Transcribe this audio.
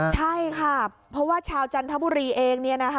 ใช่ค่ะเพราะว่าชาวจันทบุรีเอง